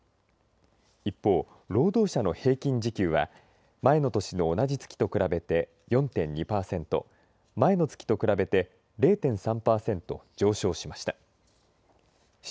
一方、労働者の平均時給は前の年の同じ月と比べて４．２パーセント前の月と比べて０．３パーセント上昇しました。